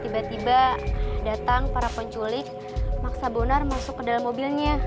tiba tiba datang para penculik maksa bonar masuk ke dalam mobilnya